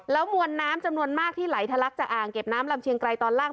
มวลน้ำจำนวนมากที่ไหลทะลักจากอ่างเก็บน้ำลำเชียงไกรตอนล่าง